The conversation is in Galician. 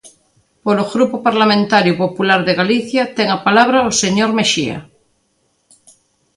Polo Grupo Parlamentario Popular de Galicia, ten a palabra o señor Mexía.